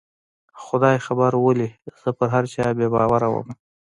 خدای خبر ولې زه په هر چا بې باوره ومه